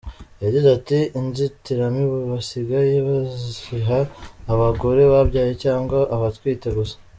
Yagize ati “Inzitiramubu basigaye baziha abagore babyaye cyangwa abatwite gusa.